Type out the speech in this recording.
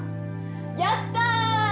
やったぁ！